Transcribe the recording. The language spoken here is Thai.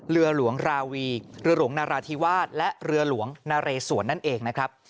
เรือหลวงราวีเรือหลวงนาราธิวาสและเรือหลวงนาเรสวนนั่นเองนะครับ